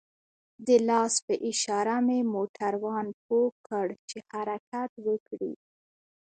د لاس په اشاره مې موټروان پوه كړ چې حركت وكړي.